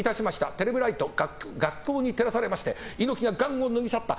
テレビライト逆光に照らされまして猪木がガウンを脱ぎ去った。